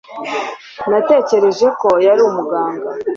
Natekereje ko yari umuganga